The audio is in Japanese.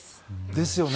ですよね。